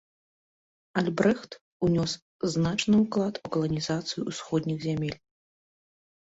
Альбрэхт ўнёс значны ўклад у каланізацыю ўсходніх зямель.